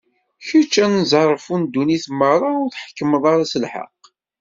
Kečč, anezzarfu n ddunit meṛṛa, ur tḥekkmeḍ ara s lḥeqq?